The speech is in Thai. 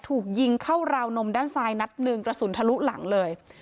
ถูกยิงเข้าราวนมด้านซ้ายนัดหนึ่งกระสุนทะลุหลังเลย